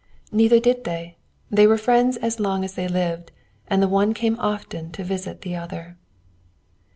Neither did they; they were friends as long as they lived, and the one came often to visit the other.